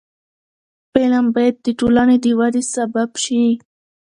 فلم باید د ټولنې د ودې سبب شي